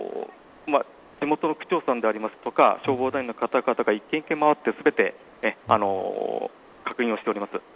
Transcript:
地元の区長さんでありますとか消防隊の方々が一軒一軒回って全て確認をしております。